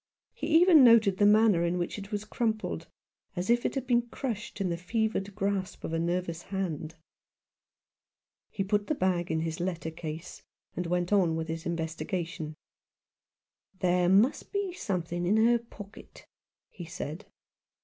He even noted the manner in which it was crumpled, as if it had been crushed in the fevered grasp of a nervous hand. He put the bag in his letter case, and went on with his investiga tion. "There may be something in her pocket," he said.